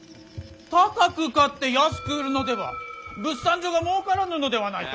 高く買って安く売るのでは物産所がもうからぬのではないか？